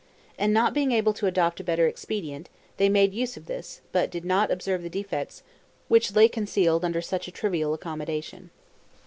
And not being able to adopt a better expedient, they made use of this, but did not observe the defects which lay concealed under such a trivial accommodation.